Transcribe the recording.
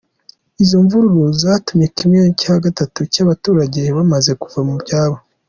Izo mvururu zatumye kimwe cya gatatu cy’abaturage bamaze kuva mu byabo.